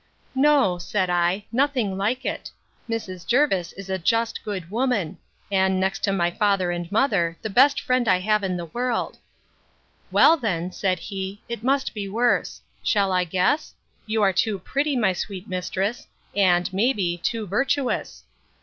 No, said I, nothing like it. Mrs. Jervis is a just good woman; and, next to my father and mother, the best friend I have in the world—Well, then, said he, it must be worse. Shall I guess? You are too pretty, my sweet mistress, and, may be, too virtuous.